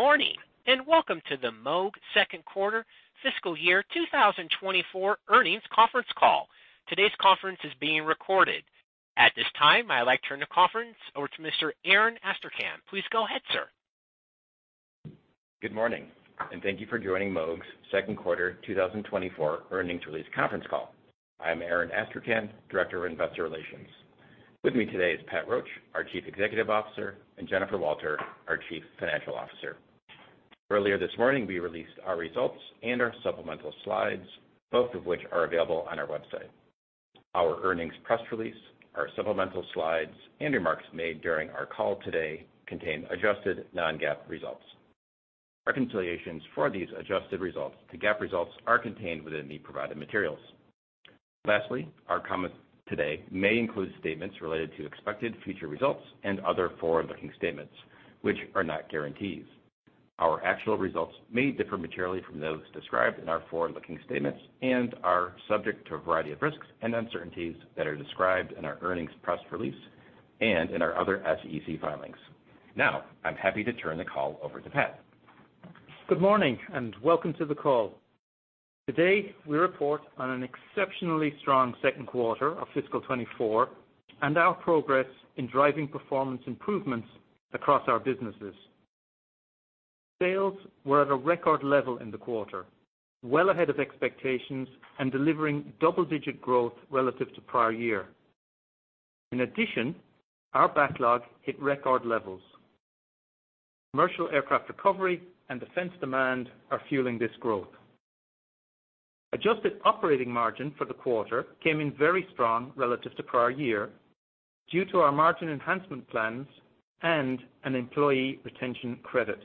Good morning, and welcome to the Moog second quarter fiscal year 2024 earnings conference call. Today's conference is being recorded. At this time, I'd like to turn the conference over to Mr. Aaron Astrachan. Please go ahead, sir. Good morning, and thank you for joining Moog's second quarter 2024 earnings release conference call. I'm Aaron Astrachan, Director of Investor Relations. With me today is Pat Roche, our Chief Executive Officer, and Jennifer Walter, our Chief Financial Officer. Earlier this morning, we released our results and our supplemental slides, both of which are available on our website. Our earnings press release, our supplemental slides, and remarks made during our call today contain adjusted non-GAAP results. Reconciliations for these adjusted results to GAAP results are contained within the provided materials. Lastly, our comments today may include statements related to expected future results and other forward-looking statements which are not guarantees. Our actual results may differ materially from those described in our forward-looking statements and are subject to a variety of risks and uncertainties that are described in our earnings press release and in our other SEC filings. Now, I'm happy to turn the call over to Pat. Good morning, and welcome to the call. Today, we report on an exceptionally strong second quarter of fiscal 2024 and our progress in driving performance improvements across our businesses. Sales were at a record level in the quarter, well ahead of expectations and delivering double-digit growth relative to prior year. In addition, our backlog hit record levels. Commercial aircraft recovery and defense demand are fueling this growth. Adjusted operating margin for the quarter came in very strong relative to prior year due to our margin enhancement plans and an Employee Retention Credit.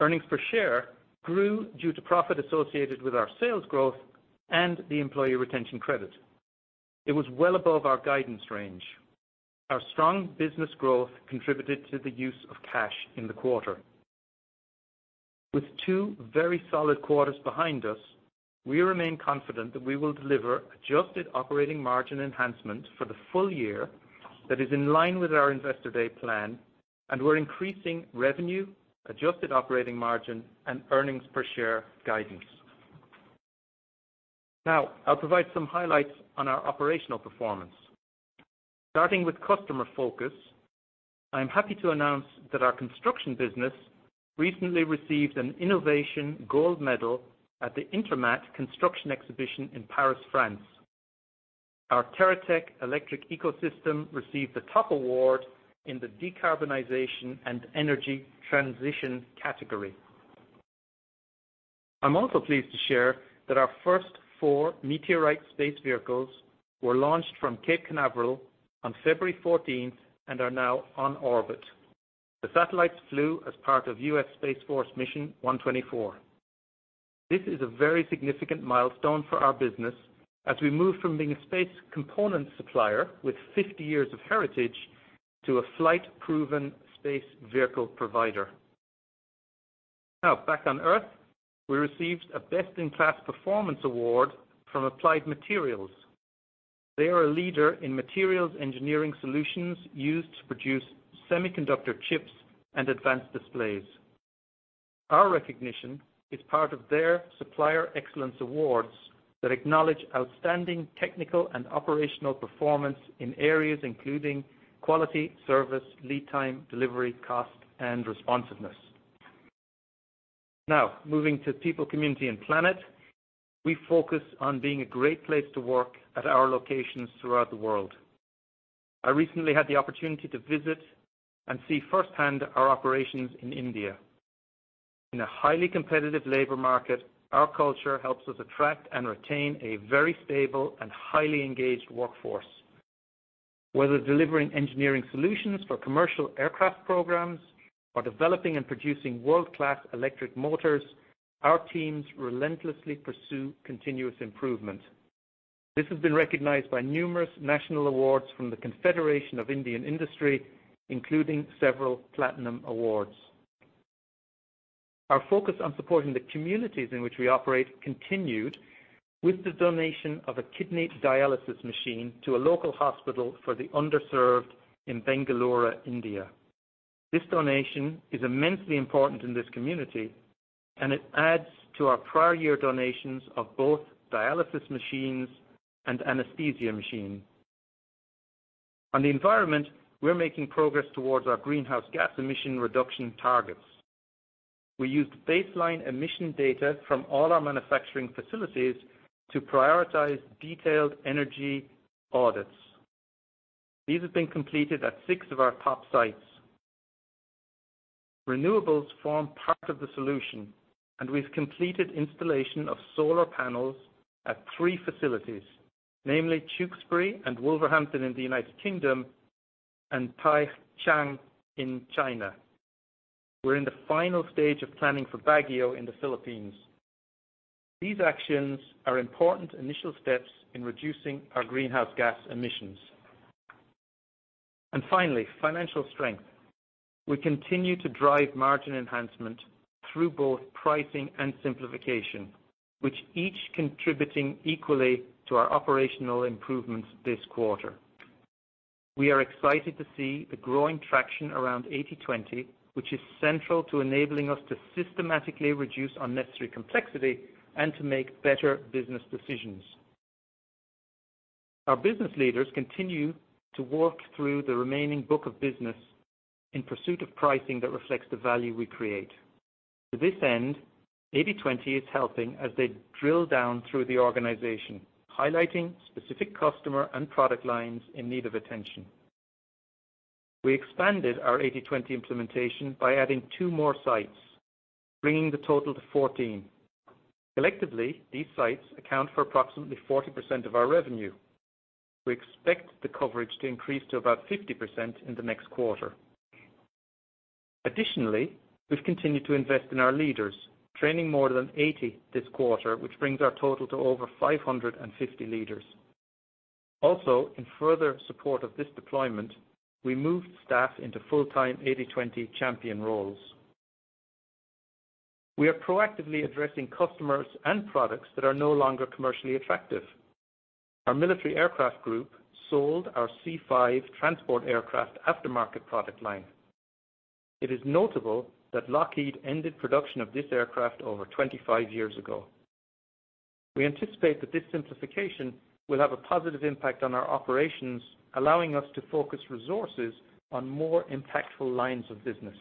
Earnings per share grew due to profit associated with our sales growth and the Employee Retention Credit. It was well above our guidance range. Our strong business growth contributed to the use of cash in the quarter. With two very solid quarters behind us, we remain confident that we will deliver adjusted operating margin enhancement for the full year that is in line with our Investor Day plan, and we're increasing revenue, adjusted operating margin, and earnings per share guidance. Now, I'll provide some highlights on our operational performance. Starting with customer focus, I'm happy to announce that our construction business recently received an Innovation Gold Medal at the INTERMAT Construction Exhibition in Paris, France. Our TerraTech electric ecosystem received the top award in the Decarbonization and Energy Transition category. I'm also pleased to share that our first four Meteorite space vehicles were launched from Cape Canaveral on February 14th and are now on orbit. The satellites flew as part of U.S. Space Force Mission 124. This is a very significant milestone for our business as we move from being a space component supplier with 50 years of heritage to a flight-proven space vehicle provider. Now, back on Earth, we received a Best in Class Performance Award from Applied Materials. They are a leader in materials engineering solutions used to produce semiconductor chips and advanced displays. Our recognition is part of their Supplier Excellence Awards that acknowledge outstanding technical and operational performance in areas including quality, service, lead time, delivery, cost, and responsiveness. Now, moving to people, community, and planet. We focus on being a great place to work at our locations throughout the world. I recently had the opportunity to visit and see firsthand our operations in India. In a highly competitive labor market, our culture helps us attract and retain a very stable and highly engaged workforce. Whether delivering engineering solutions for commercial aircraft programs or developing and producing world-class electric motors, our teams relentlessly pursue continuous improvement. This has been recognized by numerous national awards from the Confederation of Indian Industry, including several Platinum Awards. Our focus on supporting the communities in which we operate continued with the donation of a kidney dialysis machine to a local hospital for the underserved in Bengaluru, India. This donation is immensely important in this community, and it adds to our prior year donations of both dialysis machines and anesthesia machines. On the environment, we're making progress towards our greenhouse gas emission reduction targets. We used baseline emission data from all our manufacturing facilities to prioritize detailed energy audits. These have been completed at six of our top sites. Renewables form part of the solution, and we've completed installation of solar panels at three facilities, namely, Tewkesbury and Wolverhampton in the United Kingdom and Taicang in China. We're in the final stage of planning for Baguio in the Philippines. These actions are important initial steps in reducing our greenhouse gas emissions. Finally, financial strength. We continue to drive margin enhancement through both pricing and simplification, which each contributing equally to our operational improvements this quarter. We are excited to see the growing traction around 80/20, which is central to enabling us to systematically reduce unnecessary complexity and to make better business decisions. Our business leaders continue to work through the remaining book of business in pursuit of pricing that reflects the value we create. To this end, 80/20 is helping as they drill down through the organization, highlighting specific customer and product lines in need of attention. We expanded our 80/20 implementation by adding two more sites, bringing the total to 14. Collectively, these sites account for approximately 40% of our revenue. We expect the coverage to increase to about 50% in the next quarter. Additionally, we've continued to invest in our leaders, training more than 80 this quarter, which brings our total to over 550 leaders. Also, in further support of this deployment, we moved staff into full-time 80/20 champion roles. We are proactively addressing customers and products that are no longer commercially attractive. Our military aircraft group sold our C-5 transport aircraft aftermarket product line. It is notable that Lockheed ended production of this aircraft over 25 years ago. We anticipate that this simplification will have a positive impact on our operations, allowing us to focus resources on more impactful lines of business.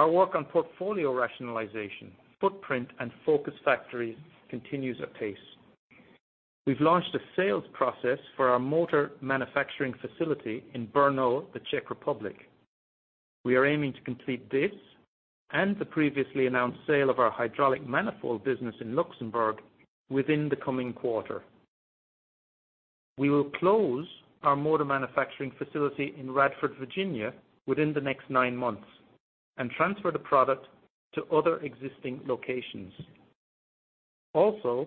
Our work on portfolio rationalization, footprint, and focus factory continues at pace. We've launched a sales process for our motor manufacturing facility in Brno, the Czech Republic. We are aiming to complete this and the previously announced sale of our hydraulic manifold business in Luxembourg within the coming quarter. We will close our motor manufacturing facility in Radford, Virginia, within the next nine months and transfer the product to other existing locations. Also,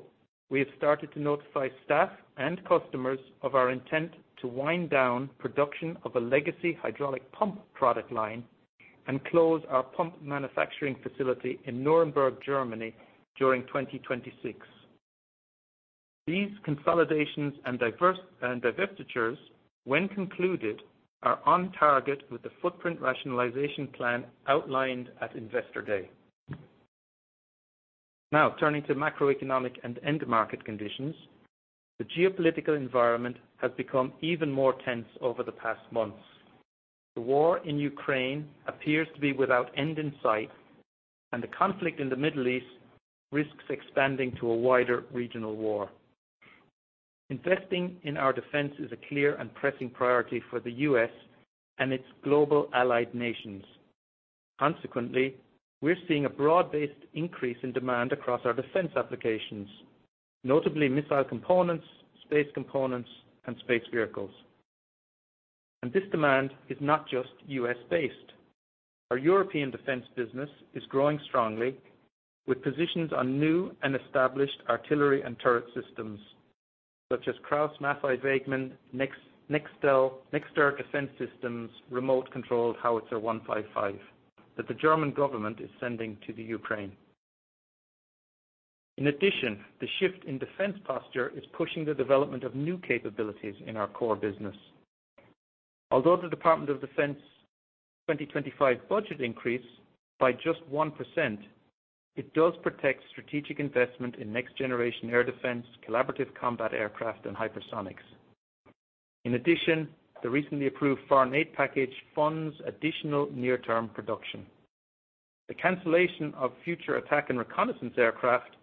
we have started to notify staff and customers of our intent to wind down production of a legacy hydraulic pump product line and close our pump manufacturing facility in Nuremberg, Germany, during 2026. These consolidations and divestitures, when concluded, are on target with the footprint rationalization plan outlined at Investor Day. Now, turning to macroeconomic and end market conditions, the geopolitical environment has become even more tense over the past months. The war in Ukraine appears to be without end in sight, and the conflict in the Middle East risks expanding to a wider regional war. Investing in our defense is a clear and pressing priority for the U.S. and its global allied nations. Consequently, we're seeing a broad-based increase in demand across our defense applications, notably missile components, space components, and space vehicles. This demand is not just U.S.-based. Our European defense business is growing strongly, with positions on new and established artillery and turret systems, such as Krauss-Maffei Wegmann and Nexter Systems' Remote-Controlled Howitzer 155, that the German government is sending to the Ukraine. In addition, the shift in defense posture is pushing the development of new capabilities in our core business. Although the Department of Defense 2025 budget increased by just 1%, it does protect strategic investment in next-generation air defense, collaborative combat aircraft, and hypersonics. In addition, the recently approved foreign aid package funds additional near-term production. The cancellation of Future Attack and Reconnaissance Aircraft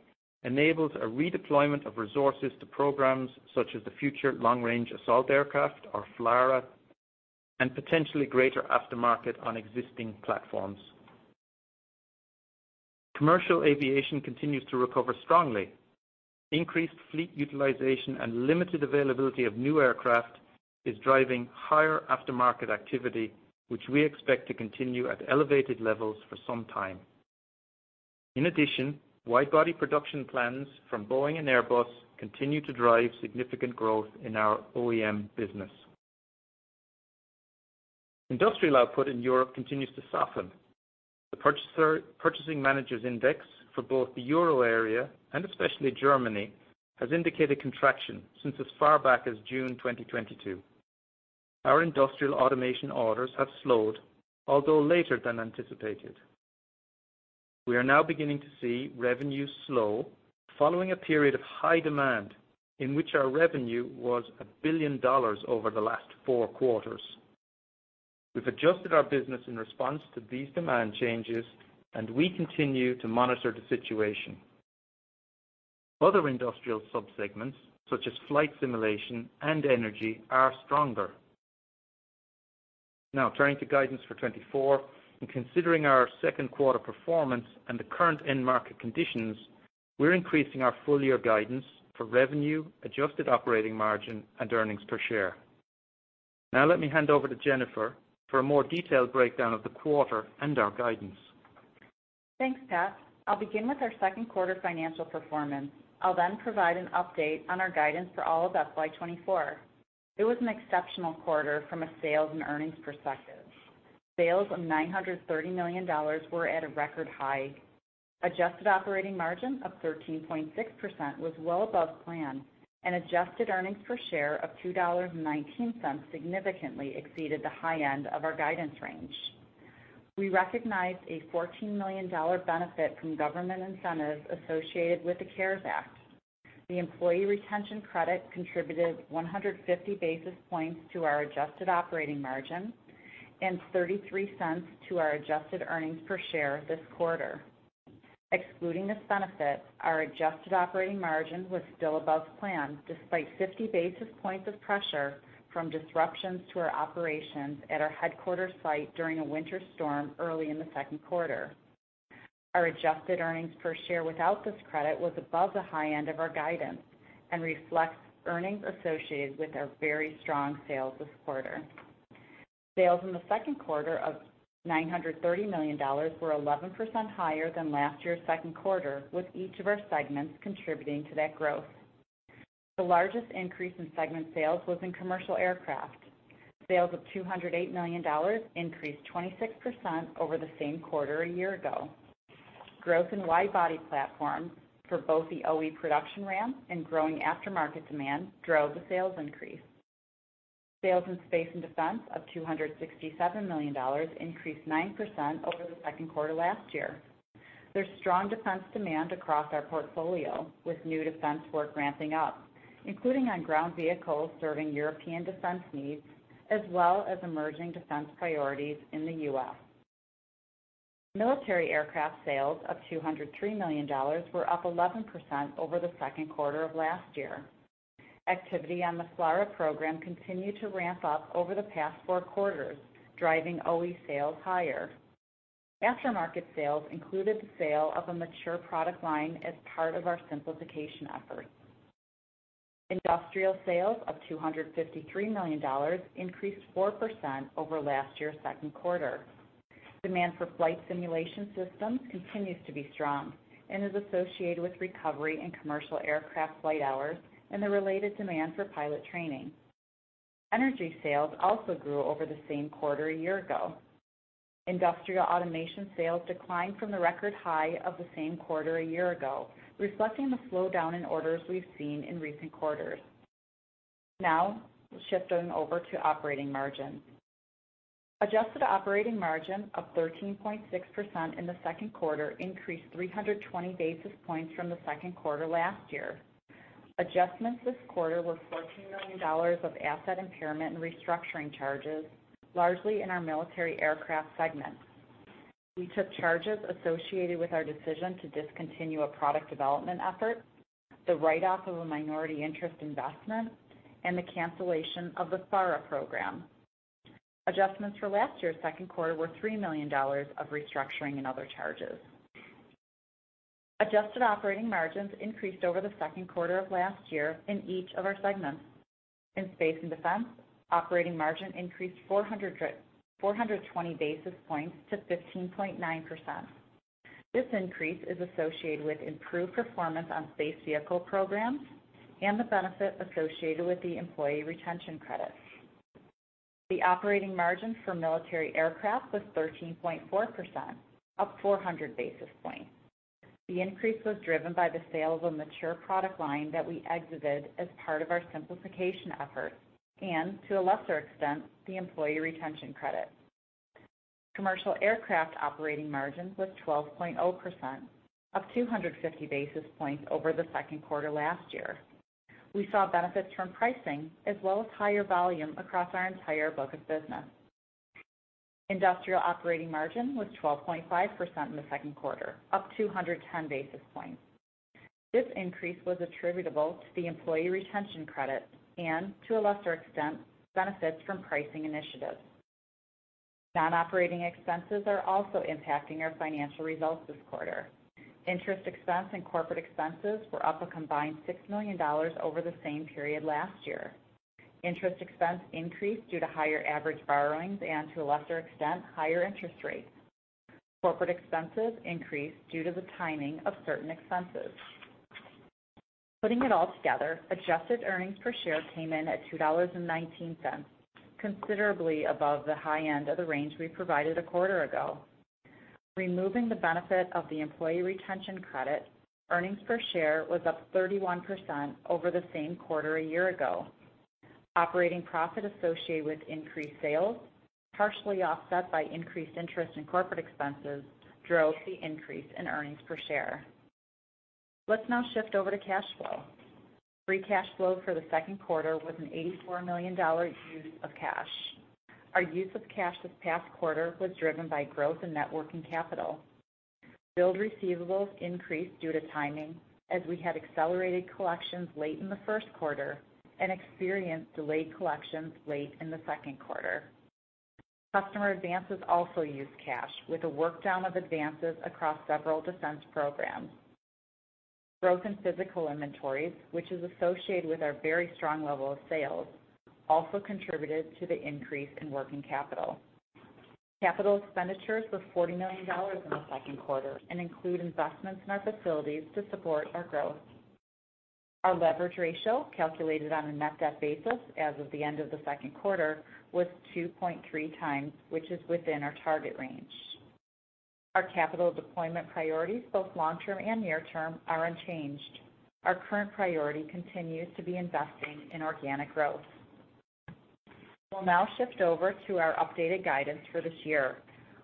enables a redeployment of resources to programs such as the Future Long-Range Assault Aircraft, or FLRAA, and potentially greater aftermarket on existing platforms. Commercial aviation continues to recover strongly. Increased fleet utilization and limited availability of new aircraft is driving higher aftermarket activity, which we expect to continue at elevated levels for some time. In addition, wide-body production plans from Boeing and Airbus continue to drive significant growth in our OEM business. Industrial output in Europe continues to soften. The Purchasing Managers' Index for both the Euro area, and especially Germany, has indicated contraction since as far back as June 2022. Our industrial automation orders have slowed, although later than anticipated. We are now beginning to see revenues slow, following a period of high demand in which our revenue was $1 billion over the last four quarters. We've adjusted our business in response to these demand changes, and we continue to monitor the situation. Other industrial subsegments, such as flight simulation and energy, are stronger. Now, turning to guidance for 2024, and considering our second quarter performance and the current end market conditions, we're increasing our full year guidance for revenue, adjusted operating margin, and earnings per share. Now let me hand over to Jennifer for a more detailed breakdown of the quarter and our guidance. Thanks, Pat. I'll begin with our second quarter financial performance. I'll then provide an update on our guidance for all of FY 2024. It was an exceptional quarter from a sales and earnings perspective. Sales of $930 million were at a record high. Adjusted operating margin of 13.6% was well above plan, and adjusted earnings per share of $2.19 significantly exceeded the high end of our guidance range. We recognized a $14 million benefit from government incentives associated with the CARES Act. The Employee Retention Credit contributed 150 basis points to our adjusted operating margin and $0.33 to our adjusted earnings per share this quarter. Excluding this benefit, our adjusted operating margin was still above plan, despite 50 basis points of pressure from disruptions to our operations at our headquarters site during a winter storm early in the second quarter. Our adjusted earnings per share without this credit was above the high end of our guidance and reflects earnings associated with our very strong sales this quarter. Sales in the second quarter of $930 million were 11% higher than last year's second quarter, with each of our segments contributing to that growth. The largest increase in segment sales was in commercial aircraft. Sales of $208 million increased 26% over the same quarter a year ago. Growth in widebody platforms for both the OE production ramp and growing aftermarket demand drove the sales increase. Sales in space and defense of $267 million increased 9% over the second quarter last year. There's strong defense demand across our portfolio, with new defense work ramping up, including on ground vehicles serving European defense needs, as well as emerging defense priorities in the U.S. Military aircraft sales of $203 million were up 11% over the second quarter of last year. Activity on the FLRAA program continued to ramp up over the past four quarters, driving OE sales higher. Aftermarket sales included the sale of a mature product line as part of our simplification efforts. Industrial sales of $253 million increased 4% over last year's second quarter. Demand for flight simulation systems continues to be strong and is associated with recovery in commercial aircraft flight hours and the related demand for pilot training. Energy sales also grew over the same quarter a year ago. Industrial automation sales declined from the record high of the same quarter a year ago, reflecting the slowdown in orders we've seen in recent quarters. Now shifting over to Operating Margin. Adjusted Operating Margin of 13.6% in the second quarter increased 320 basis points from the second quarter last year. Adjustments this quarter were $14 million of asset impairment and restructuring charges, largely in our military aircraft segment. We took charges associated with our decision to discontinue a product development effort, the write-off of a minority interest investment, and the cancellation of the FLRAA program. Adjustments for last year's second quarter were $3 million of restructuring and other charges. Adjusted Operating Margins increased over the second quarter of last year in each of our segments. In space and defense, operating margin increased 420 basis points to 15.9%. This increase is associated with improved performance on space vehicle programs and the benefit associated with the Employee Retention Credit. The operating margin for military aircraft was 13.4%, up 400 basis points. The increase was driven by the sale of a mature product line that we exited as part of our simplification efforts, and, to a lesser extent, the Employee Retention Credit. Commercial aircraft operating margin was 12.0%, up 250 basis points over the second quarter last year. We saw benefits from pricing as well as higher volume across our entire book of business. Industrial operating margin was 12.5% in the second quarter, up 210 basis points. This increase was attributable to the Employee Retention Credit and, to a lesser extent, benefits from pricing initiatives. Non-operating expenses are also impacting our financial results this quarter. Interest expense and corporate expenses were up a combined $6 million over the same period last year. Interest expense increased due to higher average borrowings and, to a lesser extent, higher interest rates. Corporate expenses increased due to the timing of certain expenses. Putting it all together, adjusted earnings per share came in at $2.19, considerably above the high end of the range we provided a quarter ago. Removing the benefit of the Employee Retention Credit, earnings per share was up 31% over the same quarter a year ago. Operating profit associated with increased sales, partially offset by increased interest in corporate expenses, drove the increase in earnings per share. Let's now shift over to cash flow. Free cash flow for the second quarter was an $84 million use of cash. Our use of cash this past quarter was driven by growth in net working capital. Billed receivables increased due to timing, as we had accelerated collections late in the first quarter and experienced delayed collections late in the second quarter. Customer advances also used cash, with a workdown of advances across several defense programs. Growth in physical inventories, which is associated with our very strong level of sales, also contributed to the increase in working capital. Capital expenditures were $40 million in the second quarter and include investments in our facilities to support our growth. Our leverage ratio, calculated on a net debt basis as of the end of the second quarter, was 2.3x, which is within our target range. Our capital deployment priorities, both long-term and near-term, are unchanged. Our current priority continues to be investing in organic growth. We'll now shift over to our updated guidance for this year.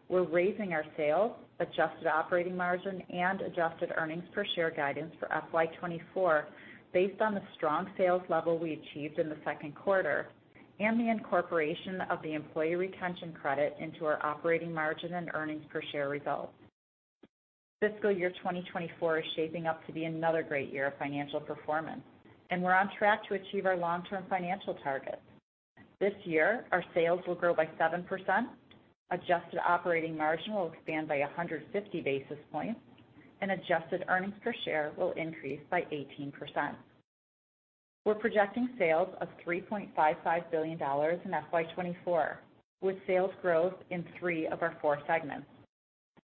We're raising our sales, adjusted operating margin, and adjusted earnings per share guidance for FY 2024 based on the strong sales level we achieved in the second quarter and the incorporation of the Employee Retention Credit into our operating margin and earnings per share results. Fiscal year 2024 is shaping up to be another great year of financial performance, and we're on track to achieve our long-term financial targets. This year, our sales will grow by 7%, adjusted operating margin will expand by 150 basis points, and adjusted earnings per share will increase by 18%. We're projecting sales of $3.55 billion in FY 2024, with sales growth in three of our four segments.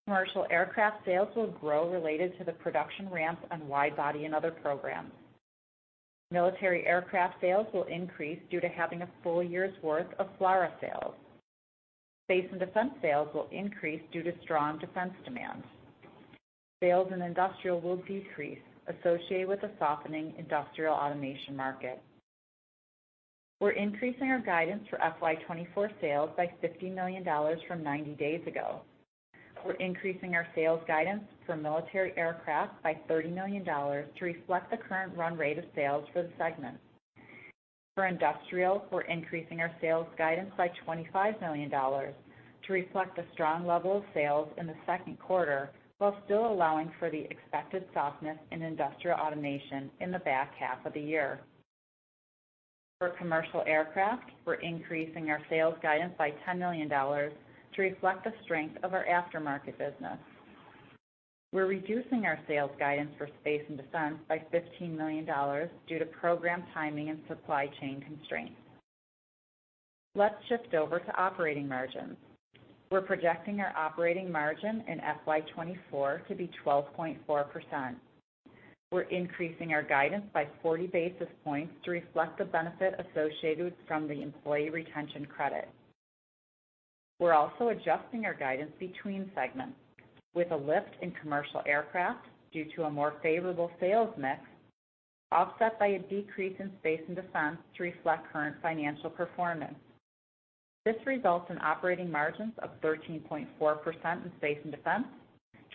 Commercial aircraft sales will grow related to the production ramp on wide-body and other programs. Military aircraft sales will increase due to having a full year's worth of FLRAA sales. Space and defense sales will increase due to strong defense demand. Sales in industrial will decrease, associated with a softening industrial automation market. We're increasing our guidance for FY 2024 sales by $50 million from 90 days ago. We're increasing our sales guidance for military aircraft by $30 million to reflect the current run rate of sales for the segment. For industrial, we're increasing our sales guidance by $25 million to reflect the strong level of sales in the second quarter, while still allowing for the expected softness in industrial automation in the back half of the year. For commercial aircraft, we're increasing our sales guidance by $10 million to reflect the strength of our aftermarket business. We're reducing our sales guidance for space and defense by $15 million due to program timing and supply chain constraints. Let's shift over to operating margins. We're projecting our operating margin in FY 2024 to be 12.4%. We're increasing our guidance by 40 basis points to reflect the benefit associated from the Employee Retention Credit. We're also adjusting our guidance between segments, with a lift in commercial aircraft due to a more favorable sales mix, offset by a decrease in space and defense to reflect current financial performance. This results in operating margins of 13.4% in space and defense,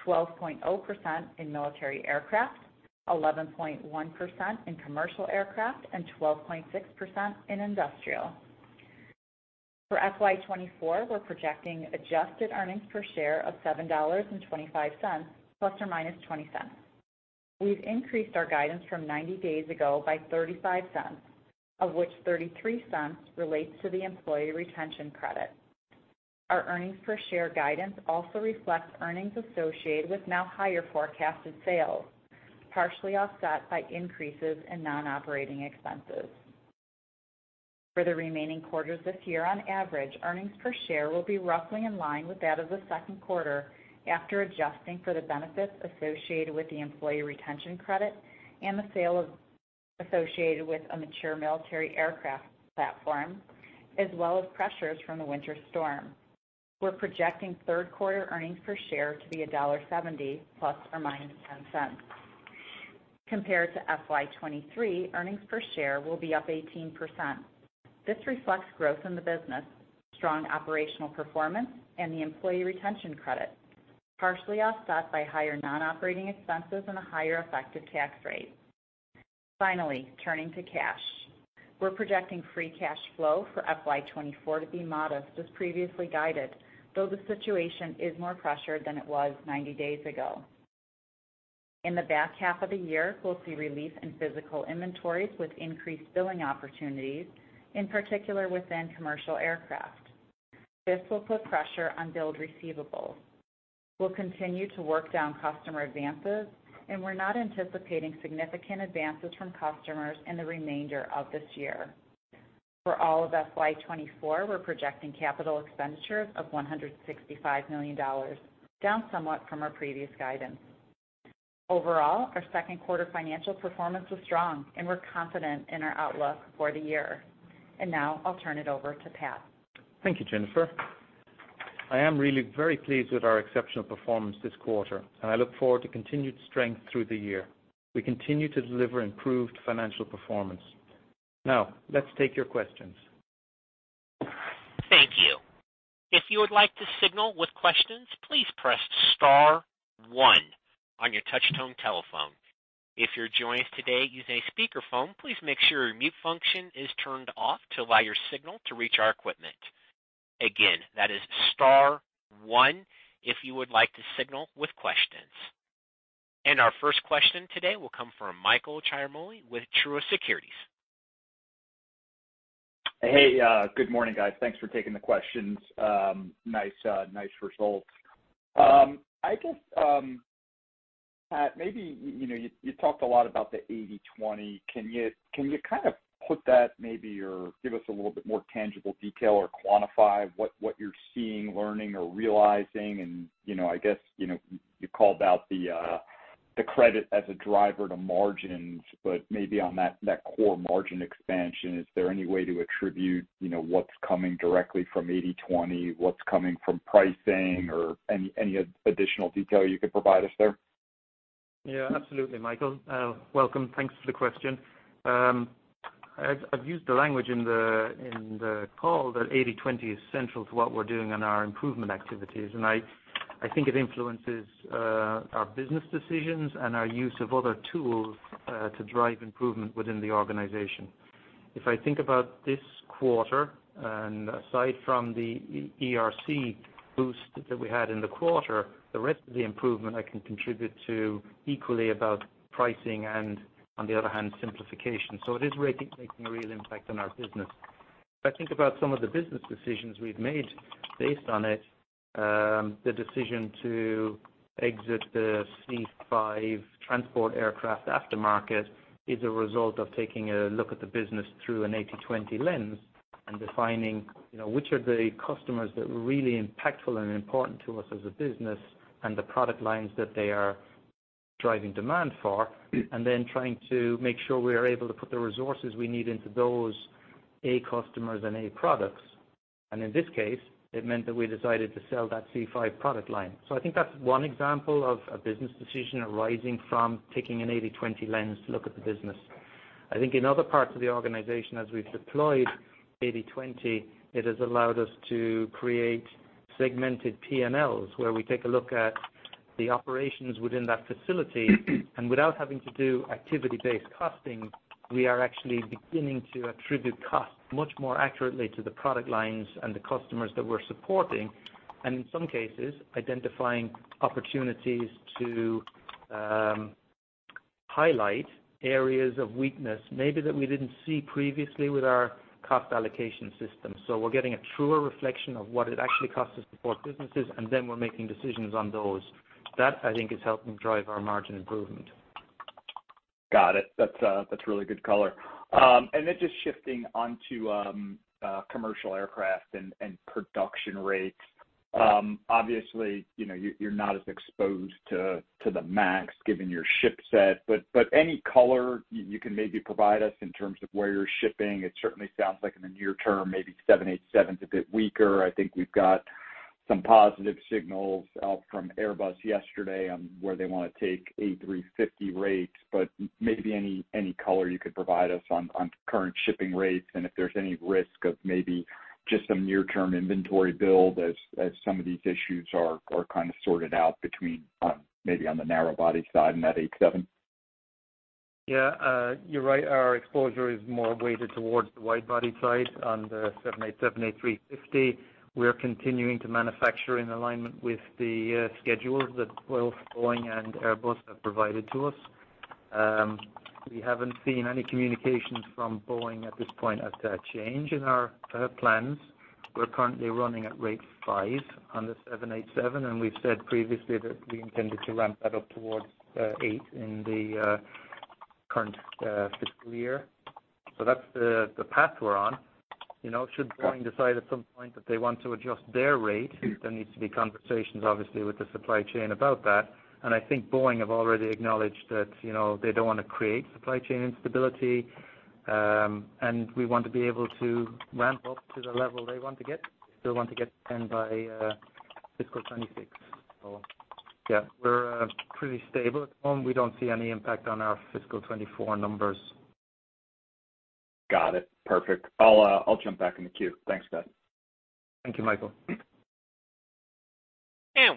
12.0% in military aircraft, 11.1% in commercial aircraft, and 12.6% in industrial. For FY 2024, we're projecting adjusted earnings per share of $7.25 ± $0.20. We've increased our guidance from 90 days ago by $0.35, of which $0.33 relates to the Employee Retention Credit. Our earnings per share guidance also reflects earnings associated with now higher forecasted sales, partially offset by increases in non-operating expenses. For the remaining quarters of this year, on average, earnings per share will be roughly in line with that of the second quarter, after adjusting for the benefits associated with the Employee Retention Credit and the sale of associated with a mature military aircraft platform, as well as pressures from the winter storm. We're projecting third quarter earnings per share to be $1.70 ± $0.10. Compared to FY 2023, earnings per share will be up 18%. This reflects growth in the business, strong operational performance, and the Employee Retention Credit, partially offset by higher non-operating expenses and a higher effective tax rate. Finally, turning to cash. We're projecting free cash flow for FY 2024 to be modest, as previously guided, though the situation is more pressured than it was 90 days ago. In the back half of the year, we'll see relief in physical inventories with increased billing opportunities, in particular within commercial aircraft. This will put pressure on billed receivables. We'll continue to work down customer advances, and we're not anticipating significant advances from customers in the remainder of this year. For all of FY 2024, we're projecting capital expenditures of $165 million, down somewhat from our previous guidance. Overall, our second quarter financial performance was strong, and we're confident in our outlook for the year. Now I'll turn it over to Pat. Thank you, Jennifer. I am really very pleased with our exceptional performance this quarter, and I look forward to continued strength through the year. We continue to deliver improved financial performance. Now, let's take your questions. Thank you. If you would like to signal with questions, please press star one on your touch-tone telephone. If you're joining us today using a speakerphone, please make sure your mute function is turned off to allow your signal to reach our equipment. Again, that is star one if you would like to signal with questions. Our first question today will come from Michael Ciarmoli with Truist Securities. Hey, good morning, guys. Thanks for taking the questions. Nice, nice results. I guess, Pat, maybe, you, you know, you, you talked a lot about the 80/20. Can you, can you kind of put that maybe or give us a little bit more tangible detail or quantify what, what you're seeing, learning, or realizing? And, you know, I guess, you know, you called out the, the credit as a driver to margins, but maybe on that, that core margin expansion, is there any way to attribute, you know, what's coming directly from 80/20, what's coming from pricing, or any, any additional detail you could provide us there? Yeah, absolutely, Michael. Welcome. Thanks for the question. I've used the language in the call that 80/20 is central to what we're doing in our improvement activities, and I think it influences our business decisions and our use of other tools to drive improvement within the organization. If I think about this quarter, and aside from the ERC boost that we had in the quarter, the rest of the improvement I can contribute to equally about pricing and, on the other hand, simplification. So it is making a real impact on our business. If I think about some of the business decisions we've made based on it, the decision to exit the C-5 transport aircraft aftermarket is a result of taking a look at the business through an 80/20 lens and defining, you know, which are the customers that were really impactful and important to us as a business and the product lines that they are driving demand for, and then trying to make sure we are able to put the resources we need into those A customers and A products. And in this case, it meant that we decided to sell that C-5 product line. So I think that's one example of a business decision arising from taking an 80/20 lens to look at the business. I think in other parts of the organization, as we've deployed 80/20, it has allowed us to create segmented PNLs, where we take a look at the operations within that facility, and without having to do activity-based costing, we are actually beginning to attribute costs much more accurately to the product lines and the customers that we're supporting, and in some cases, identifying opportunities to highlight areas of weakness, maybe that we didn't see previously with our cost allocation system. So we're getting a truer reflection of what it actually costs us to support businesses, and then we're making decisions on those. That, I think, is helping drive our margin improvement. Got it. That's really good color. And then just shifting on to commercial aircraft and production rates. Obviously, you know, you're not as exposed to the MAX given your shipset, but any color you can maybe provide us in terms of where you're shipping? It certainly sounds like in the near term, maybe 787's a bit weaker. I think we've got some positive signals out from Airbus yesterday on where they want to take A350 rates, but maybe any color you could provide us on current shipping rates, and if there's any risk of maybe just some near-term inventory build as some of these issues are kind of sorted out between maybe on the narrow body side and that 787. Yeah, you're right. Our exposure is more weighted towards the wide body side on the 787, A350. We are continuing to manufacture in alignment with the schedules that both Boeing and Airbus have provided to us. We haven't seen any communications from Boeing at this point as to a change in our plans. We're currently running at rate five on the 787, and we've said previously that we intended to ramp that up towards eight in the current fiscal year. So that's the path we're on. You know, should Boeing decide at some point that they want to adjust their rate, there needs to be conversations, obviously, with the supply chain about that. I think Boeing have already acknowledged that, you know, they don't want to create supply chain instability, and we want to be able to ramp up to the level they want to get. They want to get 10 by fiscal 2026. So yeah, we're pretty stable at the moment. We don't see any impact on our fiscal 2024 numbers. Got it. Perfect. I'll jump back in the queue. Thanks, guys. Thank you, Michael.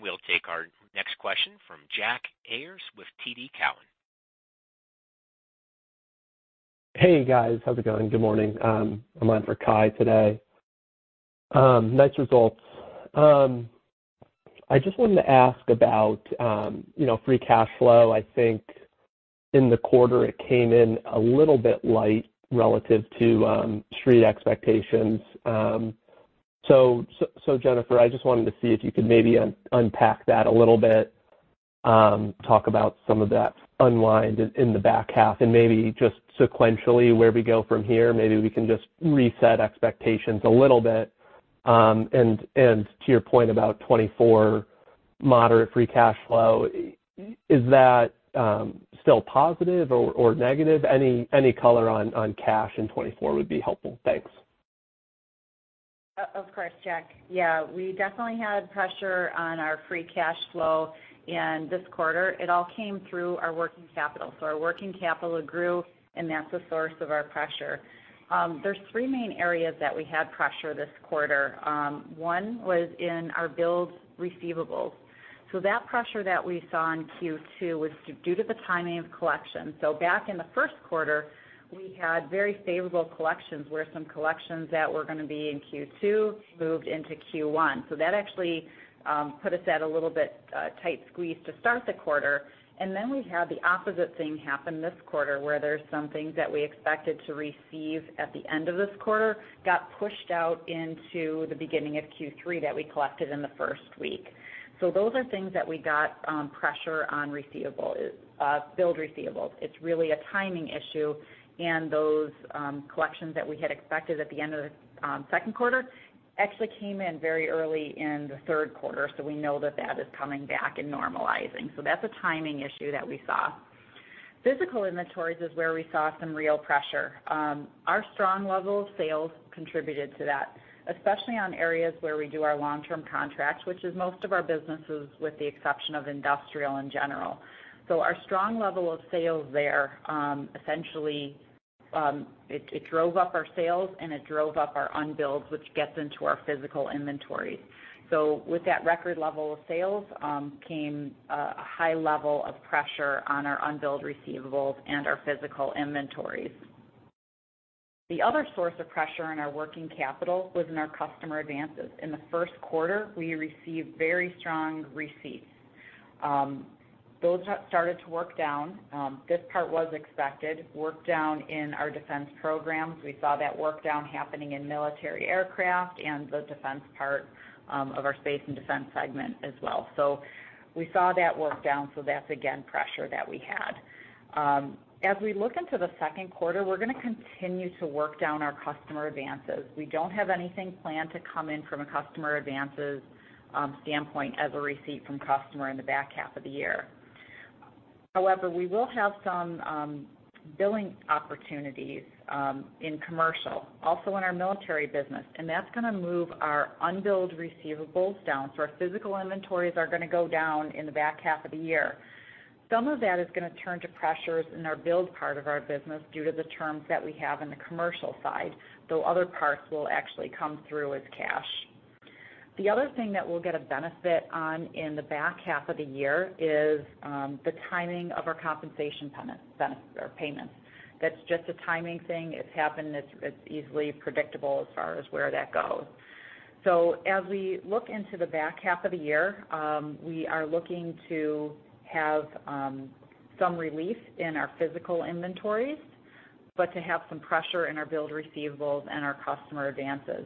We'll take our next question from Jack Ayers with TD Cowen. Hey, guys. How's it going? Good morning. I'm on for Kai today. Nice results. I just wanted to ask about, you know, free cash flow. I think in the quarter, it came in a little bit light relative to street expectations. So, Jennifer, I just wanted to see if you could maybe unpack that a little bit, talk about some of that unwind in the back half, and maybe just sequentially, where we go from here. Maybe we can just reset expectations a little bit. And, to your point about 2024 moderate free cash flow, is that still positive or negative? Any color on cash in 2024 would be helpful. Thanks. Of course, Jack. Yeah, we definitely had pressure on our free cash flow in this quarter. It all came through our working capital. So our working capital grew, and that's the source of our pressure. There's three main areas that we had pressure this quarter. One was in our bills receivables. So that pressure that we saw in Q2 was due to the timing of collection. So back in the first quarter, we had very favorable collections, where some collections that were going to be in Q2 moved into Q1. So that actually put us at a little bit tight squeeze to start the quarter. And then we had the opposite thing happen this quarter, where there's some things that we expected to receive at the end of this quarter, got pushed out into the beginning of Q3 that we collected in the first week. So those are things that we got, pressure on receivables, billed receivables. It's really a timing issue, and those, collections that we had expected at the end of the, second quarter actually came in very early in the third quarter, so we know that that is coming back and normalizing. So that's a timing issue that we saw. Physical inventories is where we saw some real pressure. Our strong level of sales contributed to that, especially on areas where we do our long-term contracts, which is most of our businesses, with the exception of industrial in general. So our strong level of sales there, essentially, it drove up our sales and it drove up our unbilled, which gets into our physical inventories. So with that record level of sales, came a high level of pressure on our unbilled receivables and our physical inventories. The other source of pressure in our working capital was in our customer advances. In the first quarter, we received very strong receipts. Those have started to work down. This part was expected, work down in our defense programs. We saw that work down happening in military aircraft and the defense part of our space and defense segment as well. So we saw that work down, so that's again, pressure that we had. As we look into the second quarter, we're gonna continue to work down our customer advances. We don't have anything planned to come in from a customer advances standpoint as a receipt from customer in the back half of the year. However, we will have some billing opportunities in commercial, also in our military business, and that's gonna move our unbilled receivables down. So our physical inventories are gonna go down in the back half of the year. Some of that is gonna turn to pressures in our build part of our business due to the terms that we have in the commercial side, though other parts will actually come through as cash. The other thing that we'll get a benefit on in the back half of the year is the timing of our compensation pension benefits or payments. That's just a timing thing. It's happened. It's easily predictable as far as where that goes. So as we look into the back half of the year, we are looking to have some relief in our physical inventories, but to have some pressure in our build receivables and our customer advances.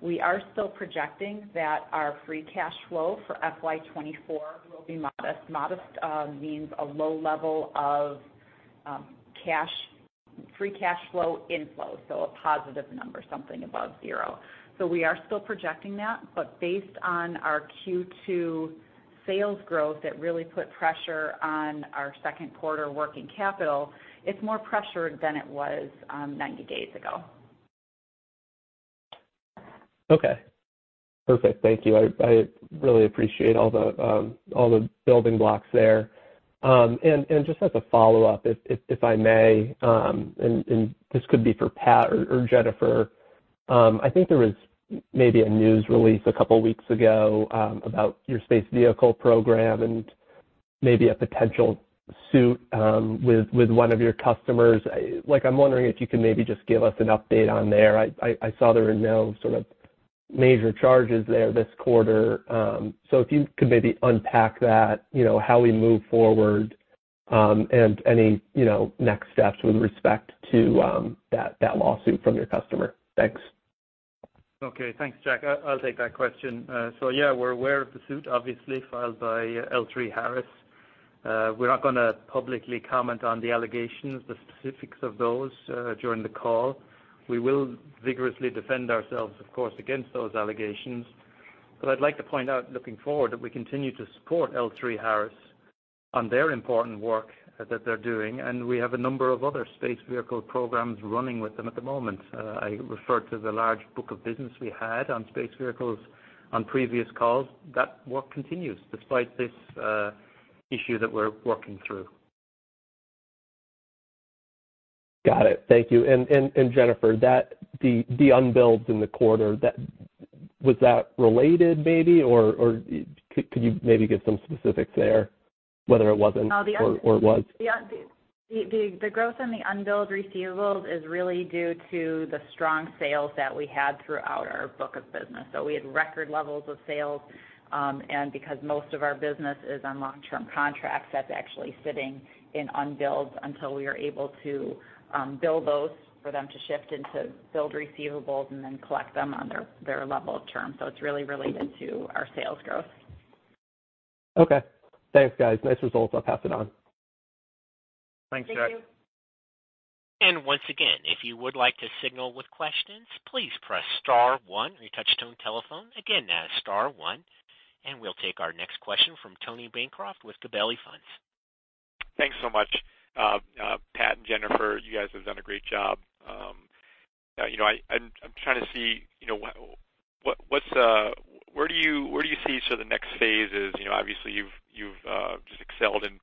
We are still projecting that our free cash flow for FY 2024 will be modest. Modest means a low level of free cash flow inflow, so a positive number, something above zero. So we are still projecting that, but based on our Q2 sales growth, that really put pressure on our second quarter working capital, it's more pressured than it was 90 days ago. Okay, perfect. Thank you. I really appreciate all the building blocks there. And just as a follow-up, if I may, and this could be for Pat or Jennifer. I think there was maybe a news release a couple weeks ago about your space vehicle program and maybe a potential suit with one of your customers. Like, I'm wondering if you can maybe just give us an update on there. I saw there were no sort of major charges there this quarter. So if you could maybe unpack that, you know, how we move forward and any, you know, next steps with respect to that lawsuit from your customer. Thanks. Okay, thanks, Jack. I'll take that question. So yeah, we're aware of the suit, obviously, filed by L3Harris. We're not gonna publicly comment on the allegations, the specifics of those, during the call. We will vigorously defend ourselves, of course, against those allegations. But I'd like to point out, looking forward, that we continue to support L3Harris on their important work that they're doing, and we have a number of other space vehicle programs running with them at the moment. I referred to the large book of business we had on space vehicles on previous calls. That work continues despite this, issue that we're working through. Got it. Thank you. And Jennifer, the unbilled in the quarter, was that related maybe, or could you maybe give some specifics there, whether it wasn't or was? Yeah, the growth in the unbilled receivables is really due to the strong sales that we had throughout our book of business. So we had record levels of sales, and because most of our business is on long-term contracts, that's actually sitting in unbilled until we are able to bill those for them to shift into billed receivables and then collect them on their level of term. So it's really related to our sales growth. Okay. Thanks, guys. Nice results. I'll pass it on. Thanks, Jack. Thank you. Once again, if you would like to signal with questions, please press star one on your touch-tone telephone. Again, that is star one, and we'll take our next question from Tony Bancroft with Gabelli Funds. Thanks so much. Pat and Jennifer, you guys have done a great job. You know, I'm trying to see, you know, what, what's where do you, where do you see sort of the next phase is? You know, obviously, you've just excelled in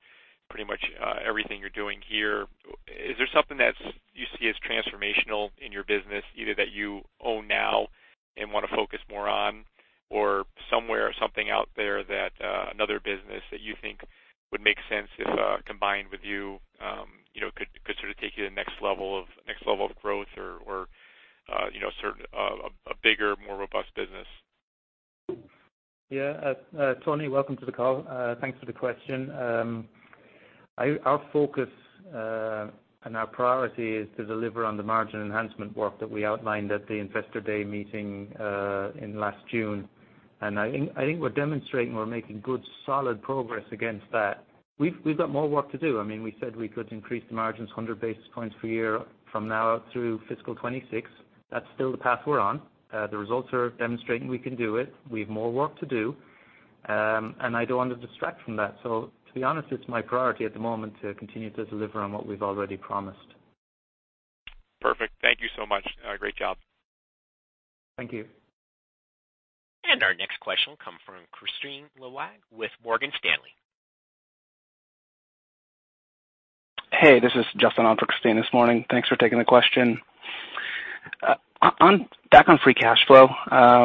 pretty much everything you're doing here. Is there something that you see as transformational in your business, either that you own now and wanna focus more on, or somewhere or something out there that another business that you think would make sense if combined with you, you know, could sort of take you to the next level of next level of growth or, you know, sort of a bigger, more robust business? Yeah. Tony, welcome to the call. Thanks for the question. Our focus and our priority is to deliver on the margin enhancement work that we outlined at the Investor Day meeting in last June. I think we're demonstrating we're making good, solid progress against that. We've got more work to do. I mean, we said we could increase the margins 100 basis points per year from now through fiscal 2026. That's still the path we're on. The results are demonstrating we can do it. We have more work to do. And I don't want to distract from that. So to be honest, it's my priority at the moment to continue to deliver on what we've already promised. Perfect. Thank you so much. Great job. Thank you. Our next question will come from Kristine Liwag with Morgan Stanley. Hey, this is Justin on for Kristine this morning. Thanks for taking the question. Back on free cash flow,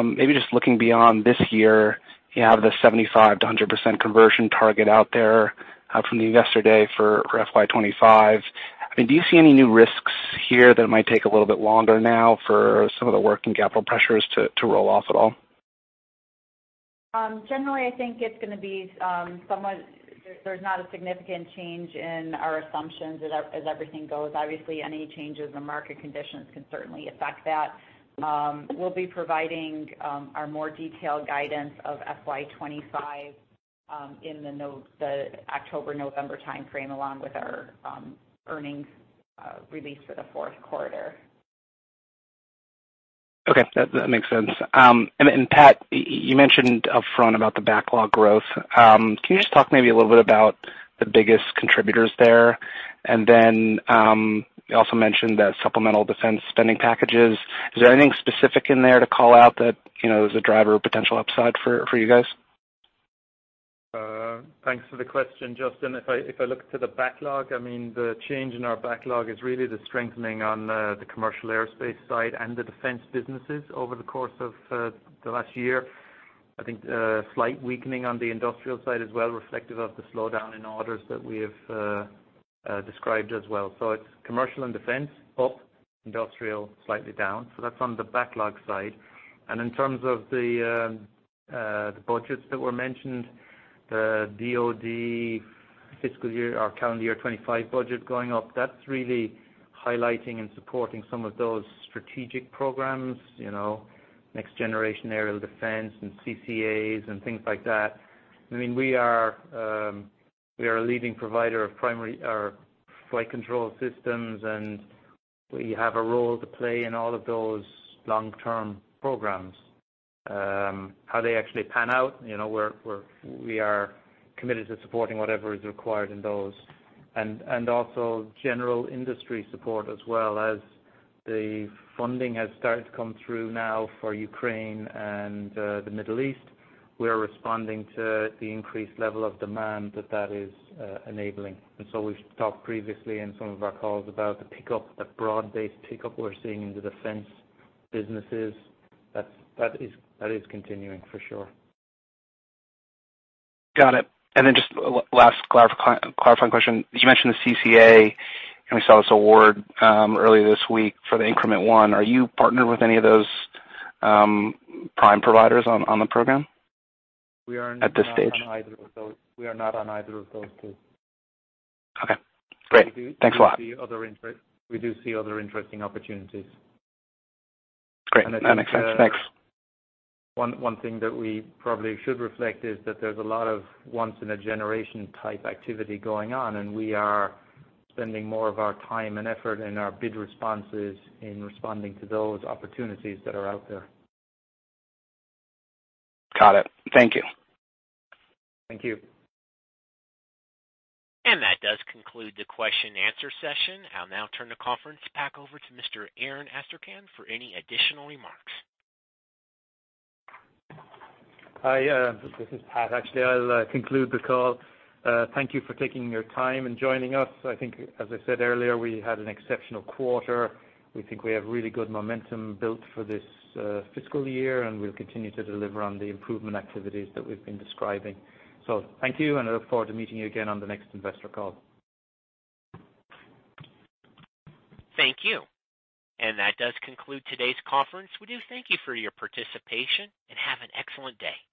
maybe just looking beyond this year, you have the 75%-100% conversion target out there, from the Investor Day for FY 2025. I mean, do you see any new risks here that it might take a little bit longer now for some of the working capital pressures to roll off at all? Generally, I think it's gonna be somewhat. There's not a significant change in our assumptions as everything goes. Obviously, any changes in market conditions can certainly affect that. We'll be providing our more detailed guidance for FY 2025 in the October-November timeframe, along with our earnings release for the fourth quarter. Okay, that makes sense. And Pat, you mentioned upfront about the backlog growth. Can you just talk maybe a little bit about the biggest contributors there? And then, you also mentioned the supplemental defense spending packages. Is there anything specific in there to call out that, you know, is a driver of potential upside for you guys? Thanks for the question, Justin. If I, if I look to the backlog, I mean, the change in our backlog is really the strengthening on the commercial aerospace side and the defense businesses over the course of the last year. I think slight weakening on the industrial side as well, reflective of the slowdown in orders that we have described as well. So it's commercial and defense up, industrial slightly down. So that's on the backlog side. And in terms of the budgets that were mentioned, the DoD fiscal year, our calendar year 2025 budget going up, that's really highlighting and supporting some of those strategic programs, you know, next-generation aerial defense and CCAs and things like that. I mean, we are a leading provider of primary or flight control systems, and we have a role to play in all of those long-term programs. How they actually pan out, you know, we are committed to supporting whatever is required in those. And also general industry support as well as the funding has started to come through now for Ukraine and the Middle East. We are responding to the increased level of demand that that is enabling. And so we've talked previously in some of our calls about the pickup, the broad-based pickup we're seeing in the defense businesses. That is continuing, for sure. Got it. And then just last clarifying question. You mentioned the CCA, and we saw this award earlier this week for the Increment 1. Are you partnered with any of those prime providers on the program at this stage? We are not on either of those. We are not on either of those two. Okay, great. Thanks a lot. We do see other interesting opportunities. Great. That makes sense. Thanks. One thing that we probably should reflect is that there's a lot of once in a generation type activity going on, and we are spending more of our time and effort and our bid responses in responding to those opportunities that are out there. Got it. Thank you. Thank you. That does conclude the question and answer session. I'll now turn the conference back over to Mr. Aaron Astrachan for any additional remarks. Hi, this is Pat. Actually, I'll conclude the call. Thank you for taking your time and joining us. I think, as I said earlier, we had an exceptional quarter. We think we have really good momentum built for this fiscal year, and we'll continue to deliver on the improvement activities that we've been describing. Thank you, and I look forward to meeting you again on the next investor call. Thank you. That does conclude today's conference. We do thank you for your participation, and have an excellent day.